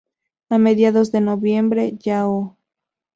A mediados de noviembre, Yahoo!